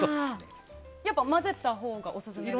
やっぱり混ぜたほうがオススメですか？